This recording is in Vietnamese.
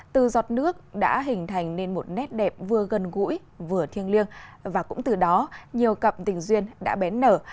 từ giọt nước đã hình thành nên một nét đẹp vừa gần gũi vừa thiêng liêng và cũng từ đó nhiều cặp tình duyên đã bén nở